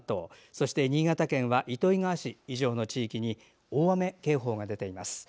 そして新潟県は糸魚川市以上の地域に大雨警報が出ています。